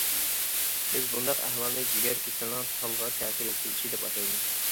بىز بۇنداق ئەھۋالنى« جىگەر كېسىلىنىڭ تالغا تەسىر يەتكۈزۈشى» دەپ ئاتايمىز.